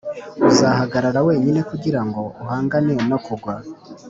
uzahagarara wenyine kugirango uhangane no kugwa